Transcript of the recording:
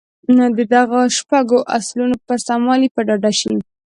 نو د دغو شپږو اصلونو پر سموالي به ډاډه شئ.